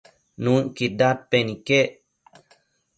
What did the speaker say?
Nuëcquid dadpen iquec